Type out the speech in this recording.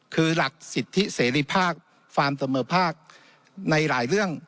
คือหลักสิทธิเสรีภาพความเสมอภาคในหลายเรื่อง